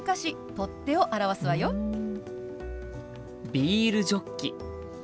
ビールジョッキ。